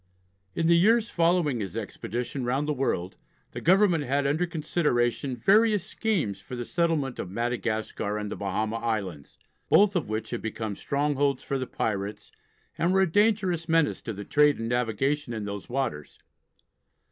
In the years following his expedition round the world the Government had under consideration various schemes for the settlements of Madagascar and the Bahama Islands, both of which had become strongholds for the pirates and were a dangerous menace to the trade and navigation in those waters.